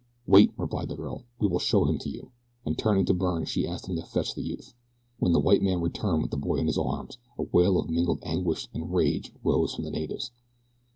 "Wait!" replied the girl. "We will show him to you," and turning to Byrne she asked him to fetch the youth. When the white man returned with the boy in his arms, a wail of mingled anguish and rage rose from the natives.